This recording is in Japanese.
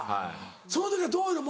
その時はどう言うの？